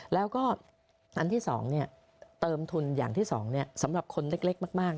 แล้วก็อันที่๒เติมทุนอย่างที่๒สำหรับคนเล็กมาก